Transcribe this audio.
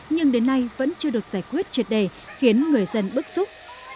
nhưng đến nay vẫn chưa được giải quyết triệt đề khiến người dân bức xúc